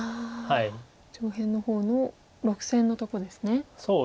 上辺の方の６線のとこですね。